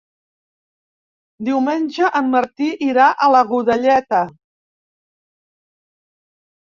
Diumenge en Martí irà a Godelleta.